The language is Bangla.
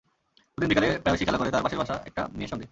প্রতিদিন বিকেলে প্রায়সী খেলা করে তার পাশের বাসার একটা মেয়ের সঙ্গে।